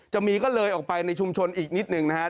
จะมีก็เลยออกไปในชุมชนอีกนิดหนึ่งนะครับ